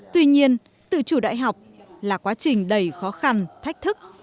tuy nhiên tự chủ đại học là quá trình đầy khó khăn thách thức